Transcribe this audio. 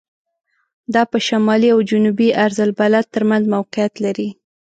دا په شمالي او جنوبي عرض البلد تر منځ موقعیت لري.